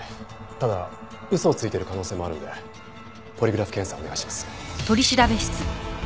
ただ嘘をついてる可能性もあるんでポリグラフ検査をお願いします。